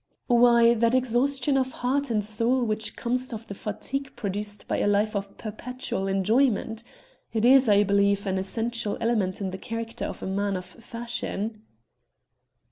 "Why, that exhaustion of heart and soul which comes of the fatigue produced by a life of perpetual enjoyment; it is I believe an essential element in the character of a man of fashion."